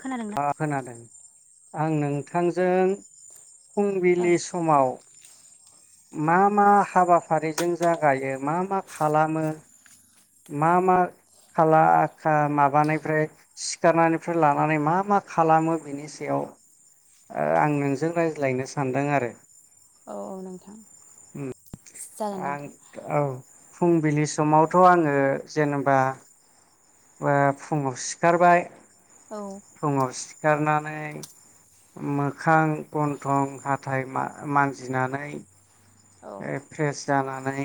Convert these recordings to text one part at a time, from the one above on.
खोनादोंना? आ खोनादों आं नोंथांजों औ फुंबिलि समाव मा मा हाबाफारिजों जागायो मा मा खालामो मा मा खाला खा माबानायफ्राय सिखारनायनिफ्राय लानानै मा मा खालामो बिनि सायाव ओ आं नोंजों रायज्लायनो सानदों आरो औ नोंथां उम जागोन आं नोंथां औ फुंबिलि समावथ' आङो जेनेबा फुङाव सिखारबाय औ [unintelligible] सिखारनानै मोखां गन्थं हाथाय मानजिनानै औ फ्रेस जानानै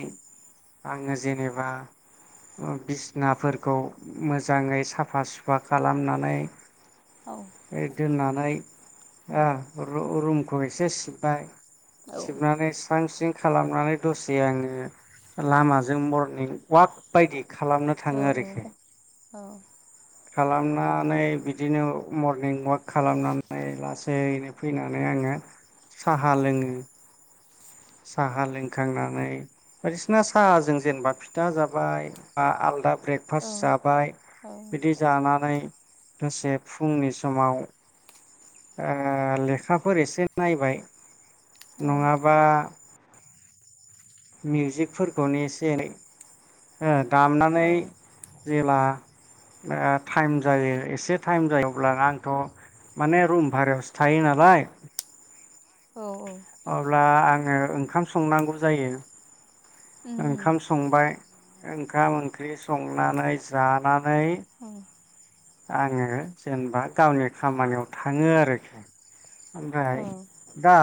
आङो जेनेबा बिसनाफोरखौ मोजाङै साफा सुफा खालामनानै औ दोननानै रुमखौ एसे सिबबाय औ सिबनानै स्रां स्रिं खालामनानै दसे आङो लामाजों मरनिं अवाक बायदि खालामनो थाङो आरोखि खालामनानै बिदिनो मरनिं वाक खालामनानै लासैनो फैनानै आङो साहा लोङो साहा लोंखांनानै बायदिसिना साहाजों जेनेबा फिथा जाबाय बा आलदा ब्रेकफास्ट जाबाय बिदि जानानै दसे फुंनि समाव लेखाफोर एसे नायबाय नङाबा मिउजिकफोरखौनो एसे एनै औ दामनानै जेब्ला टाइम जायो एसे टाइम जायो अ्ल आंथ' माने रुम भारायावसो थायो नालाय औ आरो अब्ला आङो ओंखाम संनांगौ जायो उम उम ओंखाम संबाय ओंखाम ओंख्रि संनानै जानानै आङो जेनेबा गावनि खामानियाव थाङो आरोखि औ दा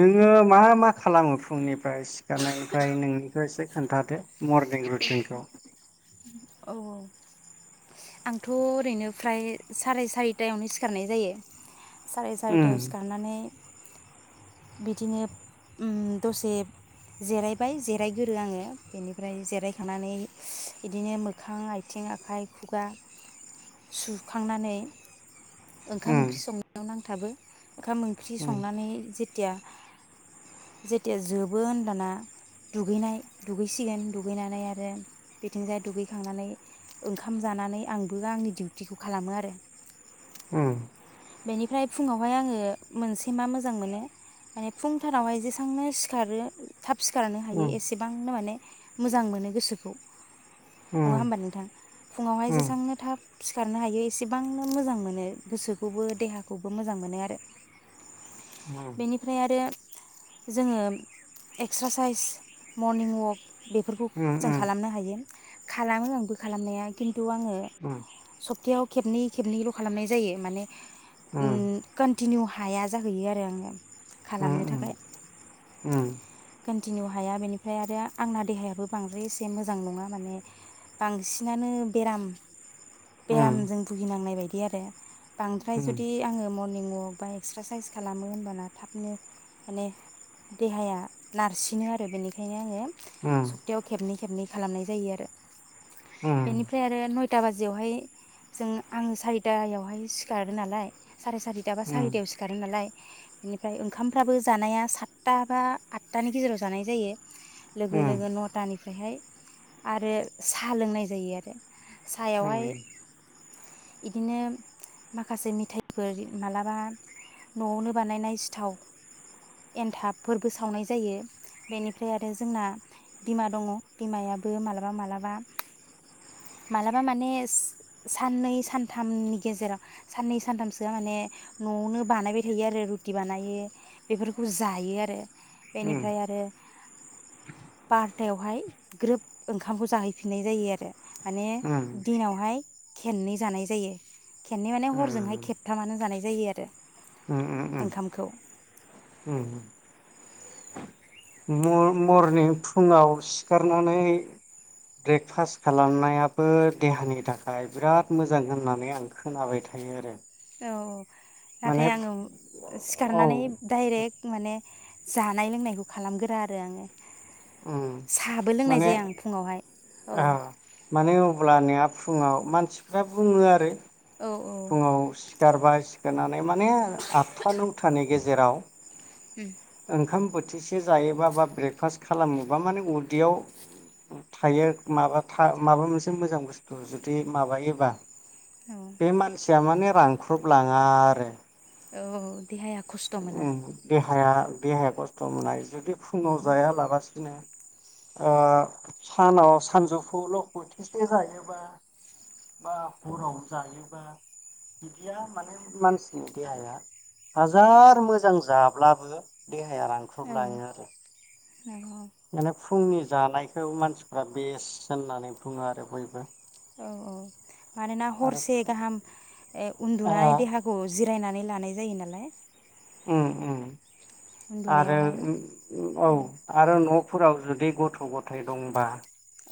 नोङो मा मा खालामो फुंनिफ्राय सिखारनायनिफ्राय नोंनिखौ एसे खोन्थादो मरनिं रुटिनखौ औ औ आंथ' ओरैनो फ्राय साराय सारिथायावनो सिखारनाय जायो साराय उम सारिथायाव सिखारनानै बिदिनो ओम दसे जिरायबाय जिरायगोरो आङो बेनिफ्राय जिरायखांनानै बिदिनो मो मोखां आथिं आखाइ खुगा सुखांनानै ओंखाम उम ओंख्रि संनायाव नांगौ थाबो ओंखाम ओंख्रि उम संनानै जे जेथिया जेथिया जोबो होनब्लाना दुगैनाय दुगैसिगोन दुगैनानै आरो बेथिंजाय दुगै खांनानै ओंखाम जानानै आंबो आंनि डिउटिखौ खालामो आरो ओम बेनिफ्राय फुङावहाय आङो मोनसे मा मोजां मोनो माने फुंथारावहाय जेसेबांनो सिखारो थाब सिखारनो हायो उम एसेबांनो माने मोजां मोनो गोसोखौ उम नङा होमबा नोंथां फुङावहाय उम जेसबांनो थाब सिखारनो हायो एसेबांनो मोजां मोनो गोसोखौ खौबो देहाखौबो मोजां मोनो आरो बेनिफ्राय आरो जोङो एक्सारसाइस मरनिं अक बेफोरखौ उम जों खालामनो हायो खालामो आंबो खालामनाया खिन्थ थ' आङो सप्तायाव खेबनै खेबनैल' खालामनाय जायो माने उम कन्टिनिउ हाया जाहैयो आरो आङो उम खालामनो उम थाखाय उम कन्टिनिउ हाया बेनिफ्राय आरो आंना देहायाबो बांद्राय एसे मोजां नङा माने बांसिनानो बेराम बेरामजों भुगिनांनाय बायदि इ आरो बांद्राय उम जुदि आङो मरनिं वाक बबेबा एक्सारसाइस खालामो होनबाना थाबनो माने देहाया नारसिनो आरो बेनिखायनो आङो सप्तायाव खेबनै खेबनै खालामनाय जायो आरो बेनिफ्राय आरो नय सारिथा बाजियावहाय जों आं सारिथायावहाय सिखारो नालाय साराय सारिथा बा सारिथायाव सिखारो नालाय। बेनिफ्राय ओंखामफ्राबो जानाया सातथा बा आतथानि गेजेराव जानाय जायो। लोगो लोगो नथानिफ्रायहाय आरो साहा लोंनाय जायो आरो। सायावहाय इदिनो माखासे मिथाइफोर मालाबा न'आवनो बानायनाय सिथाव एन्थाबफोरबो सावनाय जायो बेनिफ्राय आरो जोंना बिमा दङ बिमायाबो मालाबा मालाबा मालाबा माने साननै सानथामनि गेजेराव साननै सानथामसोआ माने न'आवनो बानायबाय थायो आरो रुटि बानायो बेफोरखौ जायो आरो। बेनिफ्राय आरो बारथायावहाय ग्रोब ओंखामखौ जाहैफिननाय जायो आरो। माने दिनावहाय खेबनै जानाय जायो। खेबनै माने हरजोंहाय खेबथामानो। जानाय जायो आरो। उम उम उम। ओंखामखौ मरनिं फुङाव सिखारनानै ब्रेकफास्ट खालामनायाबो देहानि थाखाय बिराद मोजां होननानै आं खोनाबाय थायो आरो। औ नाथाय माने आङो औ सिखारनानै डाइरेक्ट माने जानाय लोंनायखौ खालामग्रोया आरो आङो। उम साहाबो लोंनाय माने जाया आं फुङावहाय औ आ माने अब्लानिया फुङाव मानसिफ्रा बुङो आरो औ औ। फुङाव सिखारबाय सिखारनानै माने आदथा नौथानि गेजेराव उम ओंखाम बोथिसे जायोबा बा ब्रेकफास्ट खालामोबा माने उदैयाव थायो माबा माबा मोनसे मोजां बुस्थु जुदि माबायोबा औ बे मानसिया माने रानख्रुबलाङा आरो औ देहाया खस्थ' मोना। देहाया देहाया खस्थ' मोना। जुदि औ फुङाव जायालाबासिनो ओ सानाव सानजौफुआवल' बोथिसे जायोबा बा हराव जायोबा बिदिया माने मानसिनि देहाया हाजार मोजां जाब्लाबो देहाया रानख्रबलाङो आरो नंगौ। माने फुंनि जानायखौ मानसिफ्रा बेस्ट होननानै बुङो आरो बयबो औ औ। मानोना आरो हरसे गाहाम ओ उन्दुनानै देहाखौ जिरायनानै लानाय जायो नालाय उम उम। आरो उन्दुनायावहाय औ आरो न' फोराव जुदि गथ' गथाय दंबा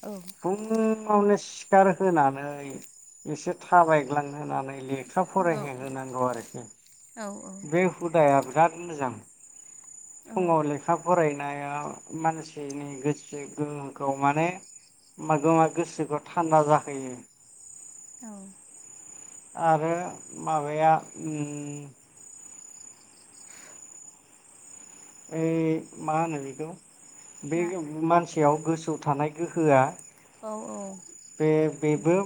औ बुंनो फुङावनो सिखार होनानै एसे थाबायग्लां होनानै थाब औ फरायहै होनांगौ आरोखि औ बे हुदाया बिराद मोजां औ फुङाव लेखा फराय नाया मानसिनि गोसो गोहोखौ माने [inaudible] गोसोखौ थान्दा जाहोयो औ आरो माबाया ओम ए मा होनो बेखौ मा बेयो मानस याव गोसौ थानाय गोहोआ औ औ बे-बेबो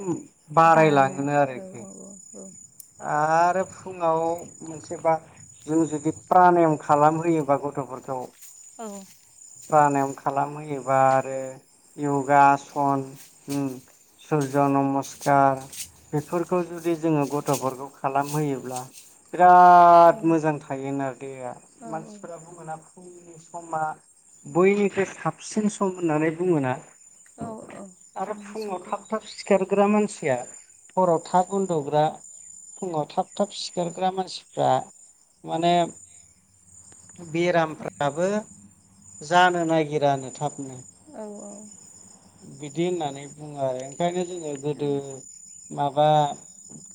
बाङो बारायलाङोनो औ आरोखि औ आरो फुङाव मोनसे बा जों जुदि प्रानायम खालामहोयोबा गथ'फोरखौ औ प्रानायाम खालामहोयोबा आरो यगा सन उम सुरज' नमस्कार बेफोरखौ जुदि जोङो गथ'फोरखौ खालामहोयोब्ला औ बिराद मोजां थायोनो दि औ मानसिफोराबो बुङोना फुंनि समा बयनिख्रुइ साबसिन सम होननानै बुङोना औ औ आरो फुंनि फुङाव समखौ थाब थाब सिखार ग्रा मानसिया हराव थाब उन्दुग्रा फुङाव थाब थाब सिखारग्रा मानसिफ्रा माने बेरामफ्राबो जानो नागिरानो थाबनो औ औ बिदि होननानै बुङो आरो ओंखायनो जोङो औ गोदो माबा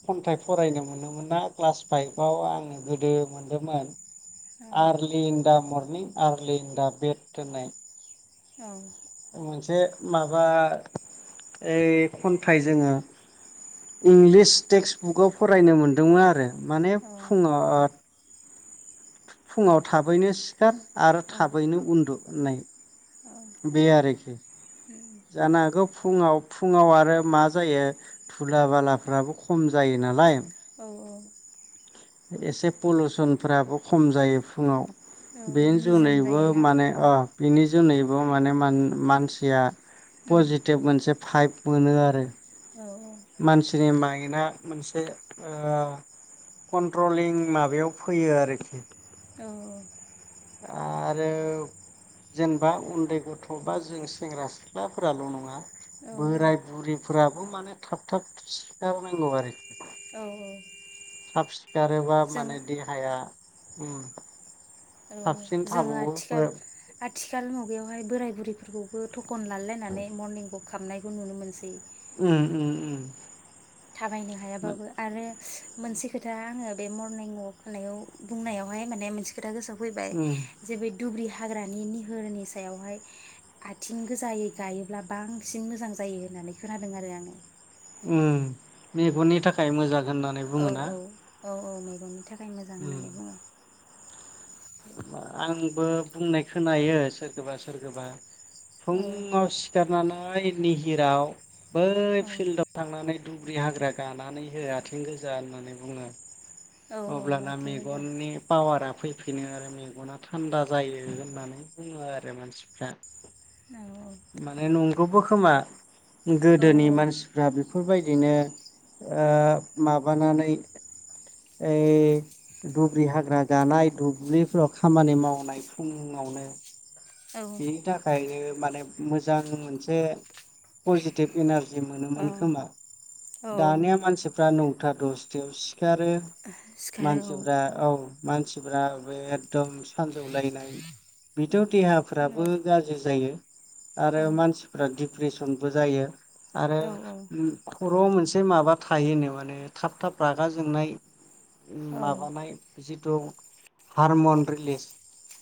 खन्थाइ फरायनो मोनोमोना क्लास फाइभआव आङो गोदो मोनदोंमोन। आरलि इन दा मर्निं आरलिन दा बेट होननाय औ मोनसे माबा ओ खन्थाइ जोङो इंलिस टेक्सट बुकाव फरायनो मोनदोंमोन आरो माने औ फुङाव ओ फुङाव थाबैनो सिखार आरो थाबैनो उन्दु नै बे आरोखि जानो हागौ फुङाव फुङाव आरो मा जायो धुला बालाफ्राबो खम जायो नालाय ओ एसे पलुसनफोराबो खम जायो फुङाव। बेनि निजोम जुनैबो जायोना माने उम अ बेनि जुनैबो बेव माने मान मानसिया उम पजिटिभ मोनसे फाइभ मोनो आरो औ मानसिनि माइनआ मोनसे ओ कन्ट्रलिं माबायाव फैयो आरोखि औ आरो जेनेबा उन्दै गथ'बा जों सेंग्रा सिख्लाफोराल' नङा जों औ बोराय बुरि फोराबो माने थाब थाब सिखार नांगौ आरोखि। थाबसि खारोबा माने देहाया। उम। औ साबसिन जोङो थाबावो आथिखाल आ आथिखाल मुगायावहाय बोराय बुरैफोरखौबो थखन लालायनानै मरनिंग खामनायखौ नुनो मोनसै। उम उम उम। थाबायनो हायाबाबो आरो मोनसे खोथा आङो बे मरनिं वाक होनायाव बुंनायावहाय माने मोनसे खोथा गोसो फैबाय उम जेबो दब्रि हाग्रानि निहोरनि सायावहाय आथिं गोजायै गायोब्ला बांसिन मोजां जायो होननानै खोनादों आरो आङो। उम मेगननि थाखाय मोजां होननानै औ बुङोना। औ औ औ मेगननि थाखाय। खाय मोजां उम होननानै बुङो। आंबो बुंनाय खोनायो सोरखोबा सोरखोबा। औ फुङाव सिखारनानै [unintelligible] निहिराव बै औ फिल्डआव थांनानै दुब्रि हाग्रा गानानै हो आथिं गोजा होननानै बुङो। औ औ अब्लाना आथिं गोजा मेगननि पावारा फै फिनो आरो मेगना थान्दा जायो होननानै बुङो आरो मानसिफ्रा। औ औ। गबो खोमा। औ गोदोनि मानसिफ्रा बेफो फोरबायदिनो ओ माबानानै ऐ दुब्रि हाग्रा गानाय दुब्लिफोराव खामानि मावनाय फुङावनो औ बिनि थाखायनो माने मोजां मोनसे पजिटिभ इनारज जि औ मोनोमोन खोमा औ दानिया मानसिफ्रा न था दसथायाव सि खारो सिखारो औ मानसिफ्रा औ। मानसिफ्रा बे एकदम स सानजौलायनाय बिथ' देहा दाबो औ गाज्रि जा जायो। आरो औ मानसिफोरादि प्रेसनबो जायो। आरो औ [unintelligible] खर'आव मोन से माबा थायोनो माने थाब थाब रागा जोंनाय औ माबानाय जित [unintelligible] हारमन रिलिज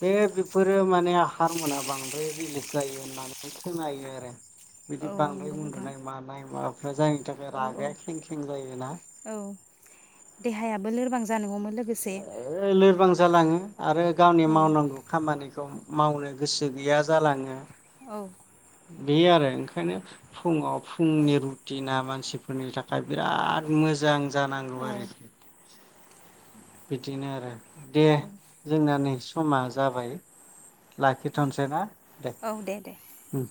बे बेफोरो माने [unintelligible] हारमना बांद्राय रिलिस जायो होननानै खोनायो आरो बिदि औ बांद्राय नंगौ नोंथां उन्दुनाय मानाय मा जायनि थाखाय औ रागाया औ खें खें जायोना। औ देहायाबो लोरबां जानांगौमोन ओ लोरबां जालाङो। आरो गावनि औ मावनांगौ खामानिखौ मावनो गोसो गैया जालाङो। औ। बे आरो ओंखायनो फुङाव औ फुंनि रुटिना ना मा नसिफोरनि थाखाय बिराद मोजां जानांगौ औ आरोखि। बिदिनो आरो दे जोंना नै समा जाबाय। औ लाखिथ'सै ना दे औ दे उम।